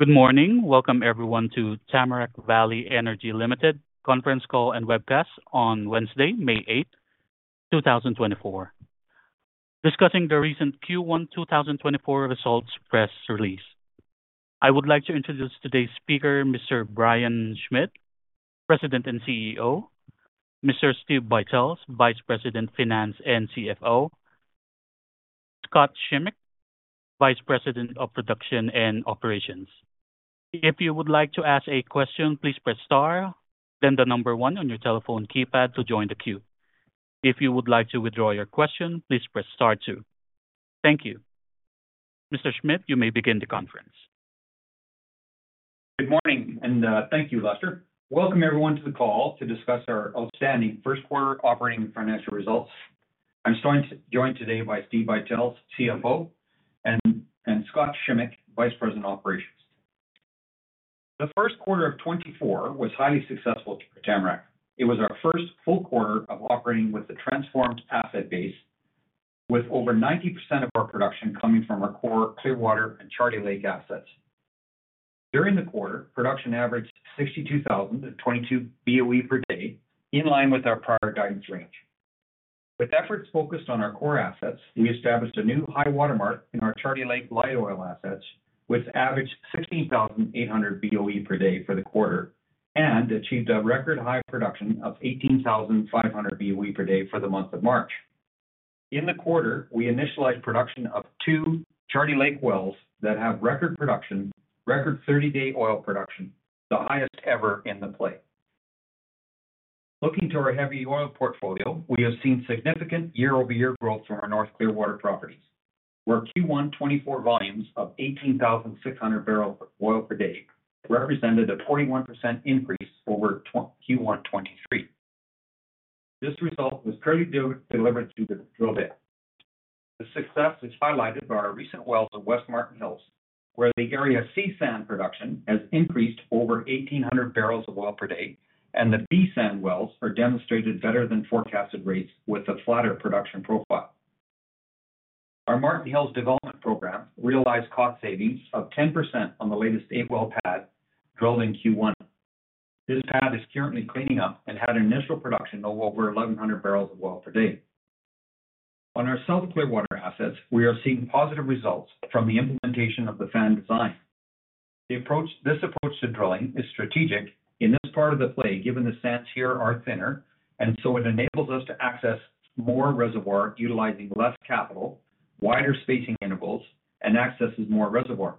Good morning. Welcome everyone to Tamarack Valley Energy Limited's Conference Call and Webcast on Wednesday, May 8, 2024, discussing the recent Q1 2024 results press release. I would like to introduce today's speakers: Mr. Brian Schmidt, President and CEO; Mr. Steve Buytels, Vice President Finance and CFO; Scott Shimek, Vice President of Production and Operations. If you would like to ask a question, please press star, then the number one on your telephone keypad to join the queue. If you would like to withdraw your question, please press star two. Thank you. Mr. Schmidt, you may begin the conference. Good morning, and thank you, Lester. Welcome everyone to the call to discuss our outstanding first quarter operating financial results. I'm joined today by Steve Buytels, CFO, and Scott Shimek, Vice President Operations. The first quarter of 2024 was highly successful for Tamarack. It was our first full quarter of operating with a transformed asset base, with over 90% of our production coming from our core Clearwater and Charlie Lake assets. During the quarter, production averaged 62,022 boe/d, in line with our prior guidance range. With efforts focused on our core assets, we established a new high watermark in our Charlie Lake light oil assets, which averaged 16,800 boe/d for the quarter and achieved a record high production of 18,500 boe/d for the month of March. In the quarter, we initialized production of two Charlie Lake wells that have record production, record 30-day oil production, the highest ever in the play. Looking to our heavy oil portfolio, we have seen significant year-over-year growth from our North Clearwater properties, where Q1 2024 volumes of 18,600 barrels of oil per day represented a 41% increase over Q1 2023. This result was clearly delivered through the drill bit. The success is highlighted by our recent wells in West Marten Hills, where the area C-sand production has increased over 1,800 barrels of oil per day, and the B-sand wells are demonstrated better than forecasted rates with a flatter production profile. Our Marten Hills Development Program realized cost savings of 10% on the latest 8-well pad drilled in Q1. This pad is currently cleaning up and had initial production of over 1,100 barrels of oil per day. On our South Clearwater assets, we are seeing positive results from the implementation of the fan design. This approach to drilling is strategic in this part of the play given the sands here are thinner, and so it enables us to access more reservoir utilizing less capital, wider spacing intervals, and accesses more reservoir.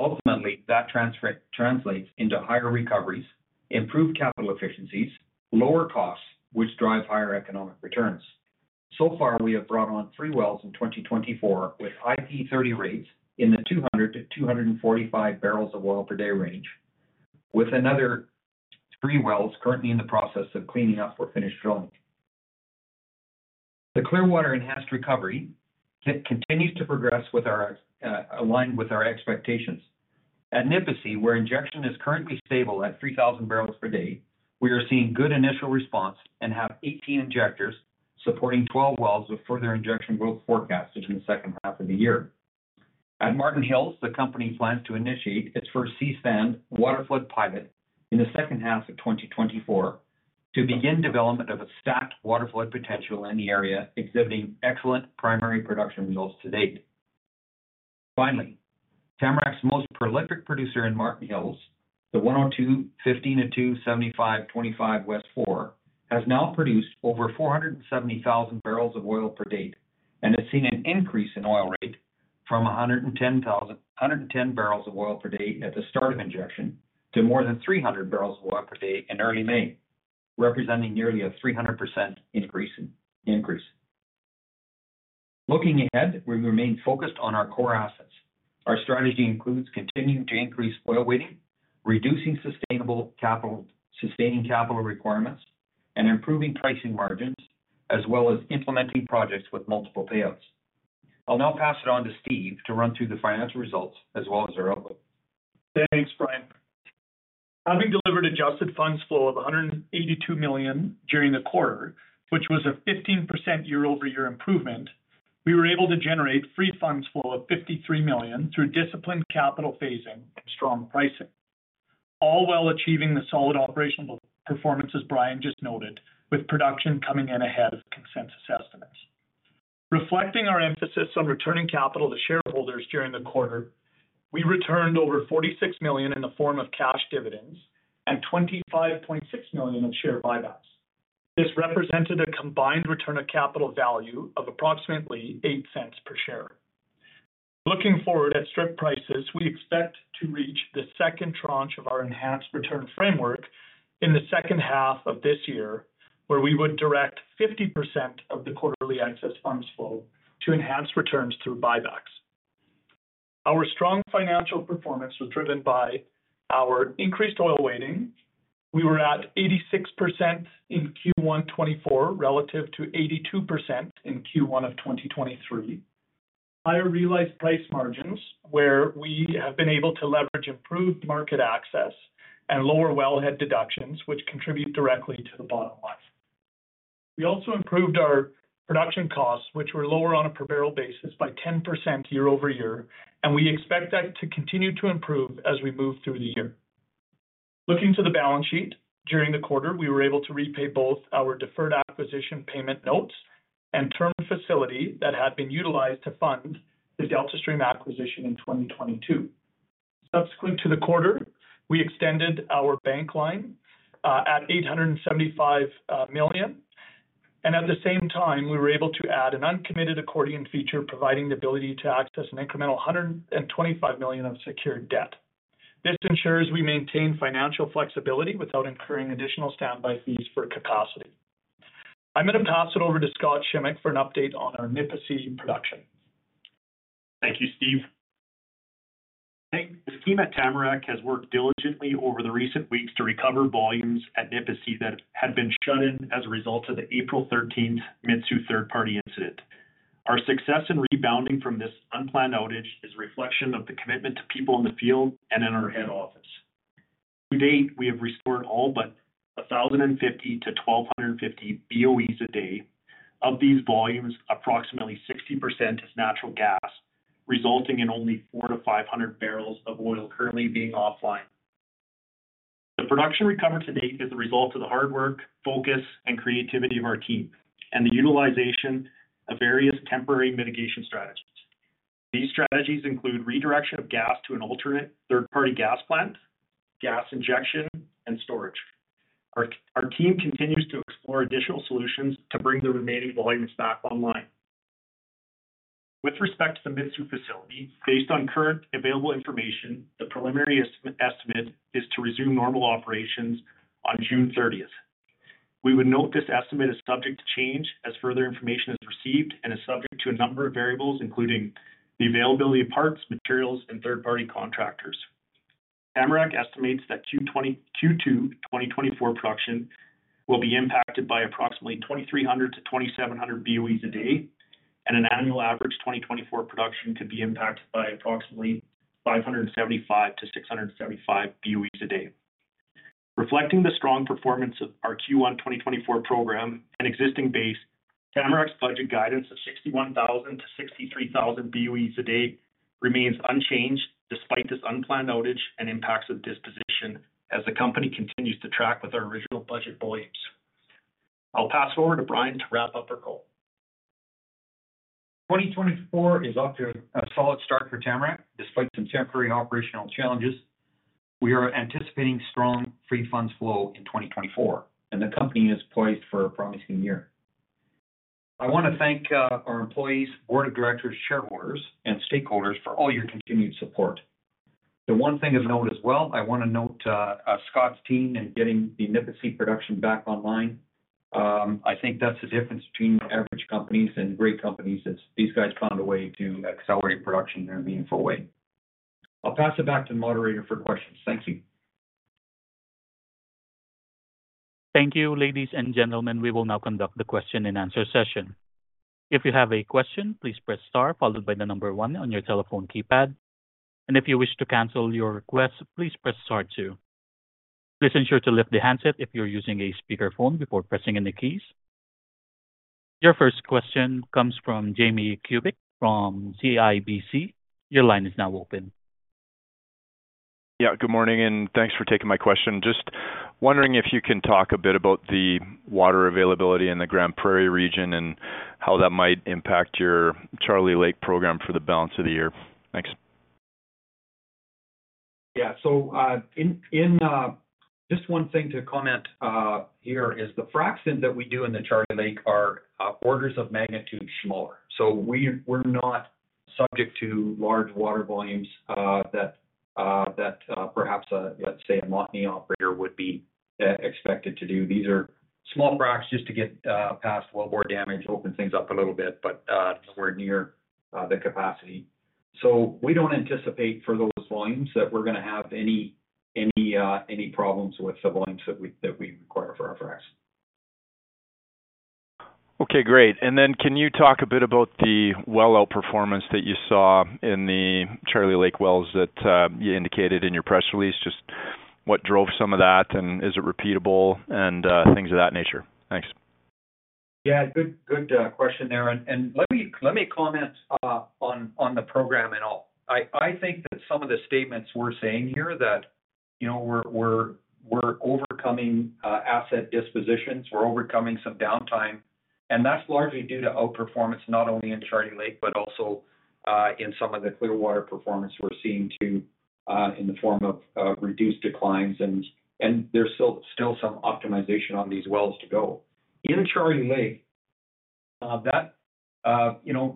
Ultimately, that transfers translates into higher recoveries, improved capital efficiencies, lower costs, which drive higher economic returns. So far, we have brought on three wells in 2024 with IP30 rates in the 200-245 barrels of oil per day range, with another three wells currently in the process of cleaning up or finished drilling. The Clearwater enhanced recovery continues to progress aligned with our expectations. At Nipisi, where injection is currently stable at 3,000 barrels per day, we are seeing good initial response and have 18 injectors supporting 12 wells with further injection growth forecasted in the second half of the year. At Marten Hills, the company plans to initiate its first C-sand waterflood pilot in the second half of 2024 to begin development of a stacked waterflood potential in the area exhibiting excellent primary production results to date. Finally, Tamarack's most prolific producer in Marten Hills, the 102/15-02-075-25W4, has now produced over 470,000 barrels of oil per day and has seen an increase in oil rate from 110 barrels of oil per day at the start of injection to more than 300 barrels of oil per day in early May, representing nearly a 300% increase. Looking ahead, we remain focused on our core assets. Our strategy includes continuing to increase oil weighting, reducing sustainable capital sustaining capital requirements, and improving pricing margins, as well as implementing projects with multiple payouts. I'll now pass it on to Steve to run through the financial results as well as our outlook. Thanks, Brian. Having delivered adjusted funds flow of 182 million during the quarter, which was a 15% year-over-year improvement, we were able to generate free funds flow of 53 million through disciplined capital phasing and strong pricing, all while achieving the solid operational performance as Brian just noted, with production coming in ahead of consensus estimates. Reflecting our emphasis on returning capital to shareholders during the quarter, we returned over 46 million in the form of cash dividends and 25.6 million of share buybacks. This represented a combined return of capital value of approximately 0.08 per share. Looking forward at strip prices, we expect to reach the second tranche of our enhanced return framework in the second half of this year, where we would direct 50% of the quarterly excess funds flow to enhanced returns through buybacks. Our strong financial performance was driven by our increased oil weighting. We were at 86% in Q1 2024 relative to 82% in Q1 of 2023, higher realized price margins where we have been able to leverage improved market access and lower wellhead deductions, which contribute directly to the bottom line. We also improved our production costs, which were lower on a per barrel basis by 10% year-over-year, and we expect that to continue to improve as we move through the year. Looking to the balance sheet, during the quarter, we were able to repay both our deferred acquisition payment notes and term facility that had been utilized to fund the DeltaStream acquisition in 2022. Subsequent to the quarter, we extended our bank line at 875 million, and at the same time, we were able to add an uncommitted accordion feature providing the ability to access an incremental 125 million of secured debt. This ensures we maintain financial flexibility without incurring additional standby fees for capacity. I'm going to pass it over to Scott Shimek for an update on our Nipisi production. Thank you, Steve. The team at Tamarack has worked diligently over the recent weeks to recover volumes at Nipisi that had been shut in as a result of the April 13th Mitsue third-party incident. Our success in rebounding from this unplanned outage is a reflection of the commitment to people in the field and in our head office. To date, we have restored all but 1,050 to 1,250 boe/d. Of these volumes, approximately 60% is natural gas, resulting in only 400-500 barrels of oil currently being offline. The production recovery to date is the result of the hard work, focus, and creativity of our team and the utilization of various temporary mitigation strategies. These strategies include redirection of gas to an alternate third-party gas plant, gas injection, and storage. Our team continues to explore additional solutions to bring the remaining volumes back online. With respect to the Mitsue facility, based on current available information, the preliminary estimate is to resume normal operations on June 30th. We would note this estimate is subject to change as further information is received and is subject to a number of variables, including the availability of parts, materials, and third-party contractors. Tamarack estimates that Q2 2024 production will be impacted by approximately 2,300 to 2,700 boe/d, and an annual average 2024 production could be impacted by approximately 575 to 675 boe/d. Reflecting the strong performance of our Q1 2024 program and existing base, Tamarack's budget guidance of 61,000 to 63,000 boe/d remains unchanged despite this unplanned outage and impacts of disposition as the company continues to track with our original budget volumes. I'll pass it over to Brian to wrap up our call. 2024 is off to a solid start for Tamarack despite some temporary operational challenges. We are anticipating strong free funds flow in 2024, and the company is poised for a promising year. I want to thank our employees, board of directors, shareholders, and stakeholders for all your continued support. The one thing of note as well, I want to note Scott's team in getting the Nipisi production back online. I think that's the difference between average companies and great companies, is these guys found a way to accelerate production in a meaningful way. I'll pass it back to the moderator for questions. Thank you. Thank you, ladies and gentlemen. We will now conduct the question and answer session. If you have a question, please press star followed by the number one on your telephone keypad, and if you wish to cancel your request, please press star two. Please ensure to lift the handset if you're using a speakerphone before pressing any keys. Your first question comes from Jamie Kubik from CIBC. Your line is now open. Yeah, good morning, and thanks for taking my question. Just wondering if you can talk a bit about the water availability in the Grande Prairie region and how that might impact your Charlie Lake program for the balance of the year. Thanks. Yeah, so just one thing to comment here is the frac that we do in the Charlie Lake are orders of magnitude smaller. So we're not subject to large water volumes that perhaps, let's say, a Montney operator would be expected to do. These are small fracs just to get past wellbore damage, open things up a little bit, but nowhere near the capacity. So we don't anticipate for those volumes that we're going to have any problems with the volumes that we require for our frac. Okay, great. Then can you talk a bit about the well performance that you saw in the Charlie Lake wells that you indicated in your press release? Just what drove some of that, and is it repeatable, and things of that nature? Thanks. Yeah, good question there. Let me comment on the program at all. I think that some of the statements we're saying here that we're overcoming asset dispositions, we're overcoming some downtime, and that's largely due to outperformance not only in Charlie Lake but also in some of the Clearwater performance we're seeing in the form of reduced declines, and there's still some optimization on these wells to go. In Charlie Lake, a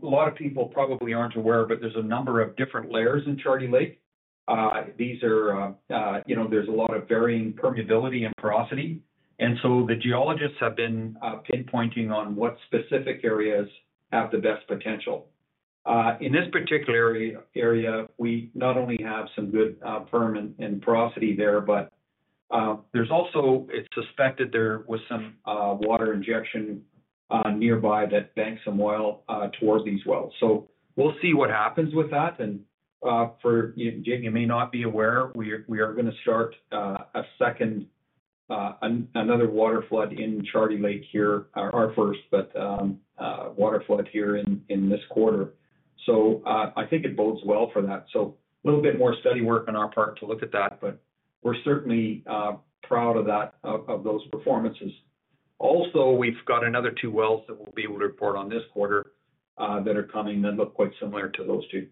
lot of people probably aren't aware, but there's a number of different layers in Charlie Lake. There's a lot of varying permeability and porosity, and so the geologists have been pinpointing on what specific areas have the best potential. In this particular area, we not only have some good perm and porosity there, but it's suspected there was some water injection nearby that banked some oil toward these wells. So we'll see what happens with that. And for Jamie, you may not be aware, we are going to start another water flood in Charlie Lake here, our first, but water flood here in this quarter. So I think it bodes well for that. So a little bit more study work on our part to look at that, but we're certainly proud of those performances. Also, we've got another two wells that we'll be able to report on this quarter that are coming that look quite similar to those two.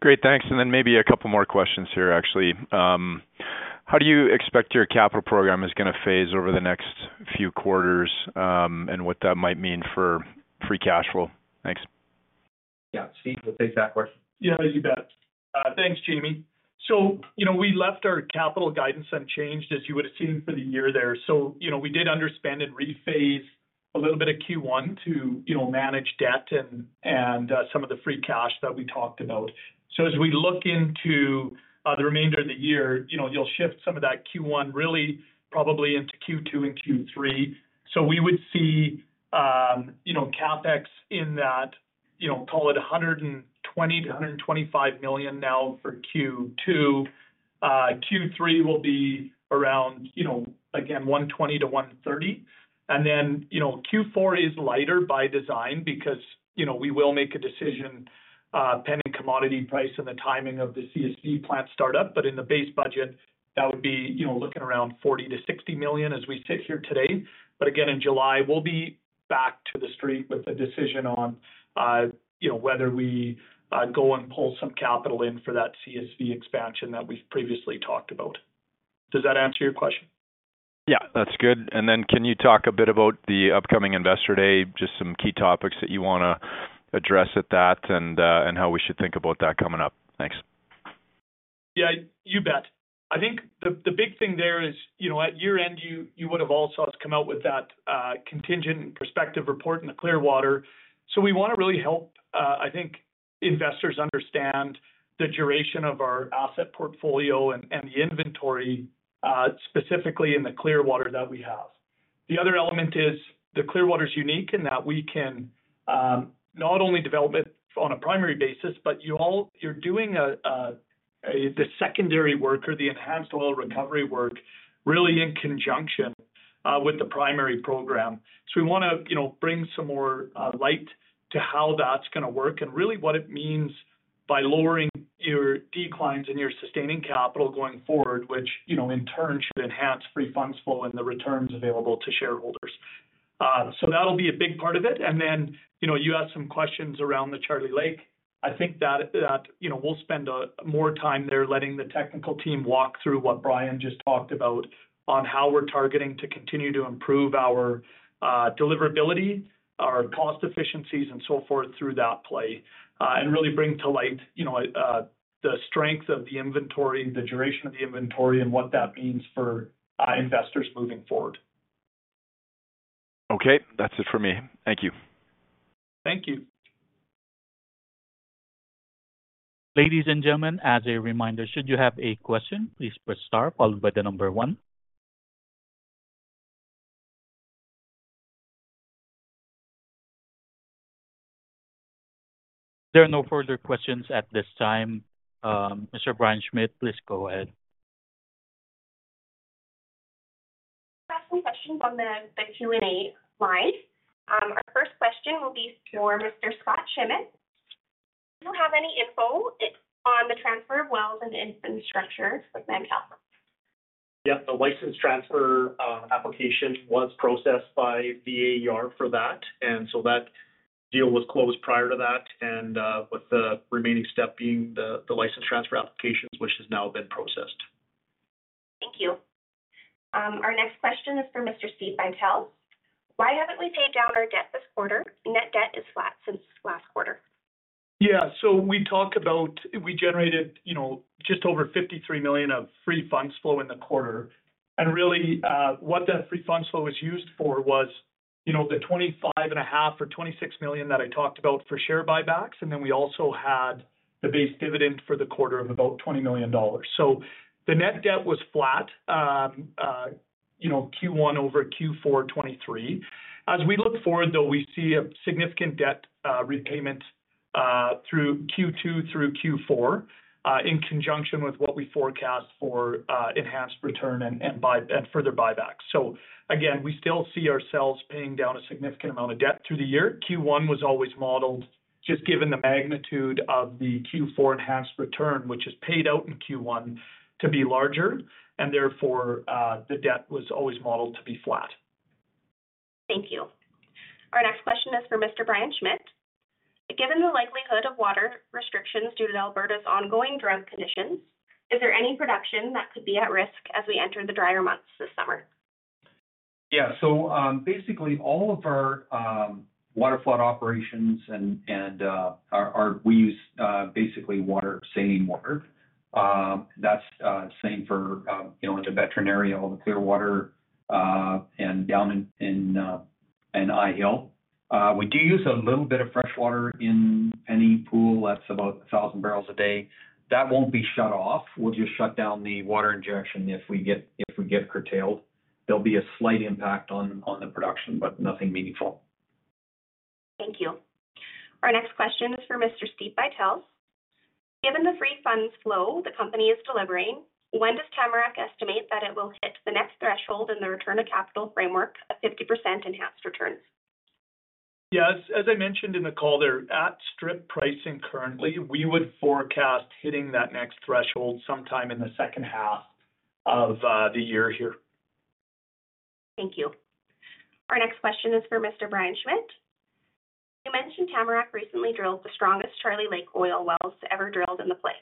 Great, thanks. Then maybe a couple more questions here, actually. How do you expect your capital program is going to phase over the next few quarters and what that might mean for free cash flow? Thanks. Yeah, Steve will take that question. Yeah, you bet. Thanks, Jamie. So we left our capital guidance unchanged, as you would have seen for the year there. So we did understand and rephase a little bit of Q1 to manage debt and some of the free cash that we talked about. So as we look into the remainder of the year, you'll shift some of that Q1 really probably into Q2 and Q3. So we would see CapEx in that, call it 120-125 million now for Q2. Q3 will be around, again, 120-130 million. And then Q4 is lighter by design because we will make a decision pending commodity price and the timing of the CSV plant startup. But in the base budget, that would be looking around 40-60 million as we sit here today. But again, in July, we'll be back to the street with the decision on whether we go and pull some capital in for that CSV expansion that we've previously talked about. Does that answer your question? Yeah, that's good. And then can you talk a bit about the upcoming investor day, just some key topics that you want to address at that and how we should think about that coming up? Thanks. Yeah, you bet. I think the big thing there is at year-end, you would have all saw us come out with that contingent and prospective report in the Clearwater. So we want to really help, I think, investors understand the duration of our asset portfolio and the inventory, specifically in the Clearwater that we have. The other element is the Clearwater's unique in that we can not only develop it on a primary basis, but you're doing the secondary work or the enhanced oil recovery work really in conjunction with the primary program. So we want to bring some more light to how that's going to work and really what it means by lowering your declines and your sustaining capital going forward, which in turn should enhance free funds flow and the returns available to shareholders. So that'll be a big part of it. And then you asked some questions around the Charlie Lake. I think that we'll spend more time there letting the technical team walk through what Brian just talked about on how we're targeting to continue to improve our deliverability, our cost efficiencies, and so forth through that play and really bring to light the strength of the inventory, the duration of the inventory, and what that means for investors moving forward. Okay, that's it for me. Thank you. Thank you. Ladies and gentlemen, as a reminder, should you have a question, please press star followed by the number one. There are no further questions at this time. Mr. Brian Schmidt, please go ahead. I have some questions on the Q&A line. Our first question will be for Mr. Scott Shimek. Do you have any info on the transfer of wells and infrastructure with Mantle? Yeah, the license transfer application was processed by AER for that. And so that deal was closed prior to that, and with the remaining step being the license transfer applications, which has now been processed. Thank you. Our next question is for Mr. Steve Buytels. Why haven't we paid down our debt this quarter? Net debt is flat since last quarter. Yeah, so we talked about we generated just over 53 million of free funds flow in the quarter. And really, what that free funds flow was used for was the 25.5 million or 26 million that I talked about for share buybacks. And then we also had the base dividend for the quarter of about 20 million dollars. So the net debt was flat Q1 over Q4 2023. As we look forward, though, we see a significant debt repayment through Q2 through Q4 in conjunction with what we forecast for enhanced return and further buybacks. So again, we still see ourselves paying down a significant amount of debt through the year. Q1 was always modeled just given the magnitude of the Q4 enhanced return, which is paid out in Q1 to be larger. And therefore, the debt was always modeled to be flat. Thank you. Our next question is for Mr. Brian Schmidt. Given the likelihood of water restrictions due to Alberta's ongoing drought conditions, is there any production that could be at risk as we enter the drier months this summer? Yeah, so basically, all of our waterflood operations and we use basically saline water. That's the same for in the Veteran, all the Clearwater and down in Eyehill. We do use a little bit of freshwater in Penny Pool. That's about 1,000 barrels a day. That won't be shut off. We'll just shut down the water injection if we get curtailed. There'll be a slight impact on the production, but nothing meaningful. Thank you. Our next question is for Mr. Steve Buytels. Given the free funds flow the company is delivering, when does Tamarack estimate that it will hit the next threshold in the return of capital framework of 50% enhanced returns? Yeah, as I mentioned in the call, they're at strip pricing currently. We would forecast hitting that next threshold sometime in the second half of the year here. Thank you. Our next question is for Mr. Brian Schmidt. You mentioned Tamarack recently drilled the strongest Charlie Lake oil wells ever drilled in the play.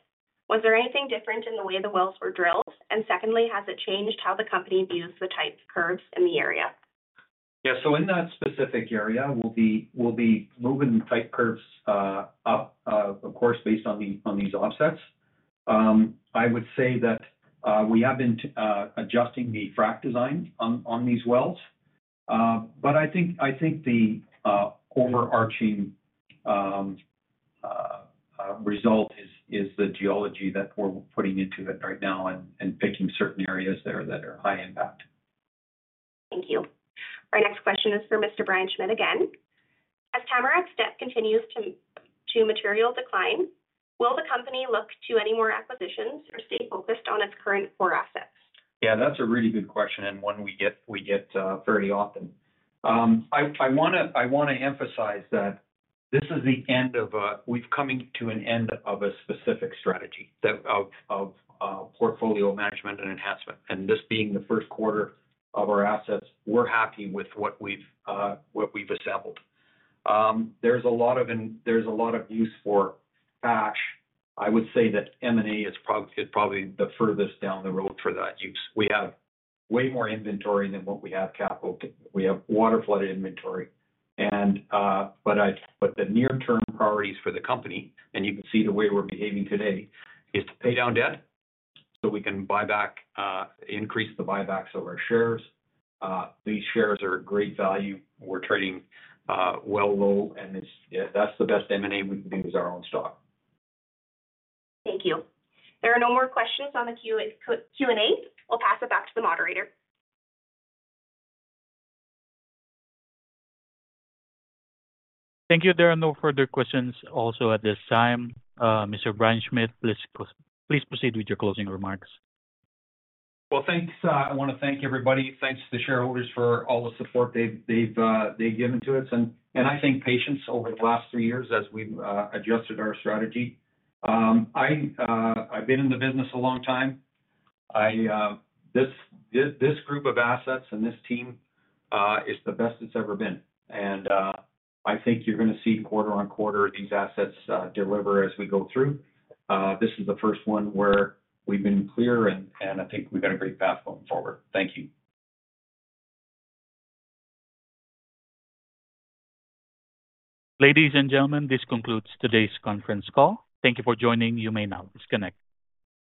Was there anything different in the way the wells were drilled? And secondly, has it changed how the company views the type curves in the area? Yeah, so in that specific area, we'll be moving the type curves up, of course, based on these offsets. I would say that we have been adjusting the frac design on these wells. But I think the overarching result is the geology that we're putting into it right now and picking certain areas there that are high impact. Thank you. Our next question is for Mr. Brian Schmidt again. As Tamarack's debt continues to material decline, will the company look to any more acquisitions or stay focused on its current core assets? Yeah, that's a really good question and one we get very often. I want to emphasize that we've come to an end of a specific strategy of portfolio management and enhancement. And this being the first quarter of our assets, we're happy with what we've assembled. There's a lot of use for cash. I would say that M&A is probably the furthest down the road for that use. We have way more inventory than what we have capital. We have waterflood inventory. But the near-term priorities for the company, and you can see the way we're behaving today, is to pay down debt so we can increase the buybacks of our shares. These shares are great value. We're trading well low, and that's the best M&A we can do is our own stock. Thank you. There are no more questions on the Q&A. We'll pass it back to the moderator. Thank you. There are no further questions also at this time. Mr. Brian Schmidt, please proceed with your closing remarks. Well, thanks. I want to thank everybody. Thanks to the shareholders for all the support they've given to us. And I think patience over the last three years as we've adjusted our strategy. I've been in the business a long time. This group of assets and this team is the best it's ever been. And I think you're going to see quarter-on-quarter these assets deliver as we go through. This is the first one where we've been clear, and I think we've got a great path going forward. Thank you. Ladies and gentlemen, this concludes today's conference call. Thank you for joining. You may now disconnect.